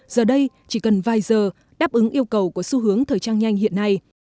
giờ đây chỉ cần vài giờ đáp ứng yêu cầu của xu hướng thời trang nhanh hiện nay